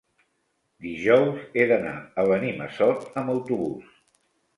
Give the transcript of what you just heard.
Dijous he d'anar a Benimassot amb autobús.